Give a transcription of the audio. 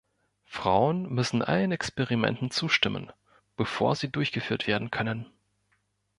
Frauen müssen allen Experimenten zustimmen, bevor sie durchgeführt werden können.